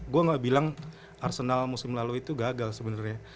gue gak bilang arsenal musim lalu itu gagal sebenarnya